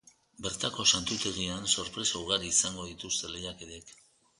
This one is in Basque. Bertako santutegian, sorpresa ugari izango dituzte lehiakideek.